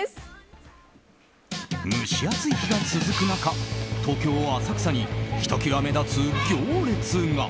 蒸し暑い日が続く中東京・浅草にひときわ目立つ行列が。